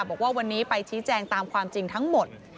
บอกว่าวันนี้ไปชี้แจงตามความจริงทั้งหมด